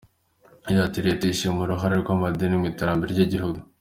Yagize ati “Leta ishima uruhare rw’amadini mu iterambere ry’igihugu.